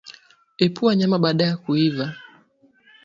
Epua nyama baada ya kuiva